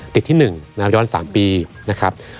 ติดที่๑น้ำย้อน๓ปีนะครับ